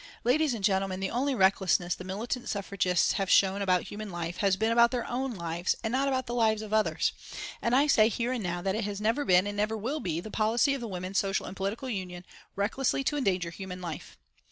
Ladies and gentlemen, the only recklessness the militant suffragists have shown about human life has been about their own lives and not about the lives of others, and I say here and now that it has never been and never will be the policy of the Women's Social and Political Union recklessly to endanger human life.